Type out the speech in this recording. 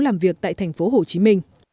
làm việc tại tp hcm